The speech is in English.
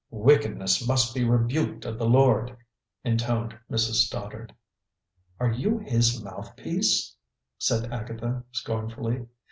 "Wickedness must be rebuked of the Lord," intoned Mrs. Stoddard. "Are you His mouthpiece?" said Agatha scornfully.